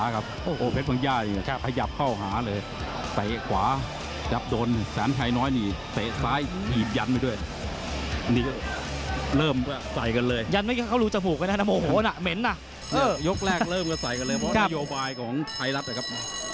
คุณสงชัยรัตนสุบัญโปรโมเตอร์หมาชนครับ